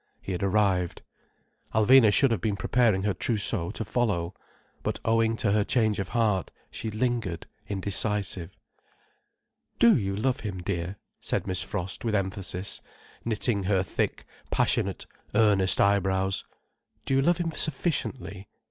He had arrived. Alvina should have been preparing her trousseau, to follow. But owing to her change of heart, she lingered indecisive. "Do you love him, dear?" said Miss Frost with emphasis, knitting her thick, passionate, earnest eyebrows. "Do you love him sufficiently?